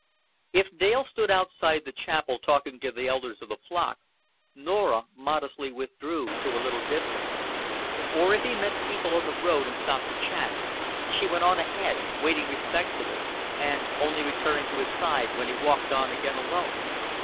If Dale stood outside the chapel talking to elders of the flock, Norah modestly withdrew to a little distance; or if he met people on the road and stopped to chat, she went on ahead, waiting respectfully, and only returning to his side when he walked on again alone.